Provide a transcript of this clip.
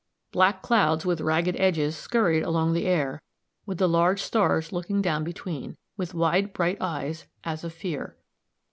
Black clouds, with ragged edges, skurried along the air, with the large stars looking down between, with wide, bright eyes, as of fear.